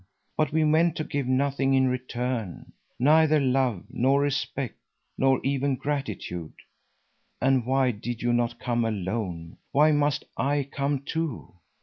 But we meant to give nothing in return; neither love nor respect nor even gratitude. And why did you not come alone, why must I come too?